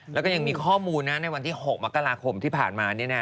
แล้วก็ยังมีข้อมูลนะในวันที่๖มกราคมที่ผ่านมา